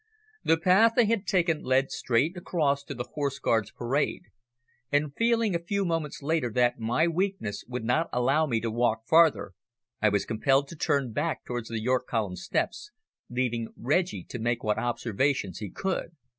The path they had taken led straight across to the Horse Guards' Parade, and feeling a few moments later that my weakness would not allow me to walk farther, I was compelled to turn back towards the York Column steps, leaving Reggie to make what observations he could.